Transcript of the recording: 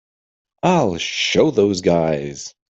I'll show those guys.